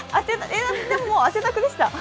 でも汗だくでした。